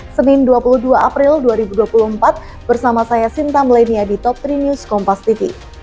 senin dua puluh dua april dua ribu dua puluh empat bersama saya sinta melenia di top tiga news kompas tv